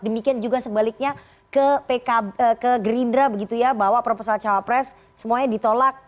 demikian juga sebaliknya ke gerindra begitu ya bawa proposal cawapres semuanya ditolak